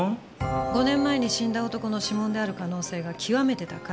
５年前に死んだ男の指紋である可能性が極めて高い。